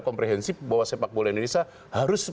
kompetisi sepak bola indonesia ini harus tetap